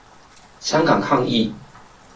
香港抗議